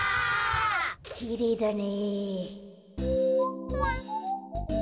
きれいだね。